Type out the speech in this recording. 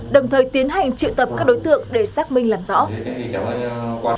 đồng thời tiến hành triệu tập các đối tượng để xác minh làm rõ